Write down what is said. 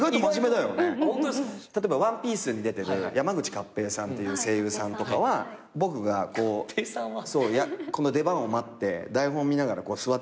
例えば『ＯＮＥＰＩＥＣＥ』に出てる山口勝平さんっていう声優さんとかは僕がこの出番を待って台本見ながらこう座ってるじゃない。